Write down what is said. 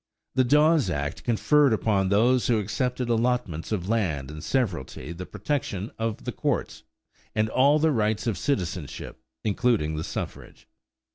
The Dawes act conferred upon those who accepted allotments of land in severalty the protection of the courts and all the rights of citizenship, including the suffrage.